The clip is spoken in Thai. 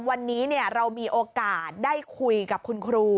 วันนี้เรามีโอกาสได้คุยกับคุณครู